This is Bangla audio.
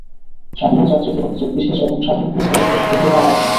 সাধারণ যাত্রীদের অভিযোগ, বিশেষ এবং সাধারণ কোনো সার্ভিসের সুবিধাই তারা পাচ্ছে না।